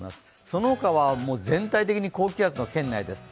そのほかは、全体的に高気圧の圏内です。